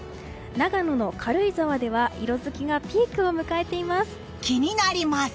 長野の軽井沢では色づきがピークを迎えています。